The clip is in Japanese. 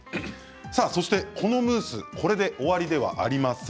そしてこのムースこれで終わりではありません。